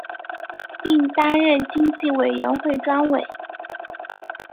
并担任经济委员会专委。